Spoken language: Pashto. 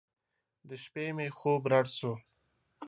د شپې مې خوب رډ سو.